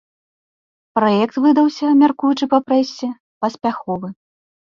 Праект выдаўся, мяркуючы па прэсе, паспяховы.